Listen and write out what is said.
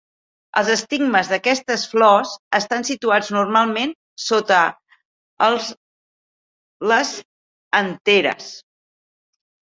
Els estigmes d'aquestes flors estan situats normalment sota els les anteres.